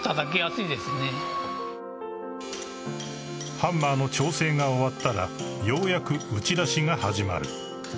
［ハンマーの調整が終わったらようやく打ち出しが始まる］